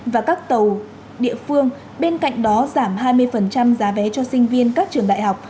và các tàu địa phương bên cạnh đó giảm hai mươi giá vé cho sinh viên các trường đại học